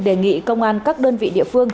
đề nghị công an các đơn vị địa phương